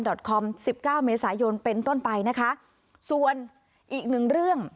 คอมสิบเก้าเมษายนเป็นต้นไปนะคะส่วนอีกหนึ่งเรื่อง